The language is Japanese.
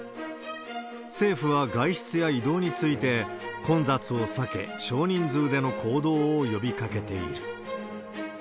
政府は外出や移動について、混雑を避け、少人数での行動を呼びかけている。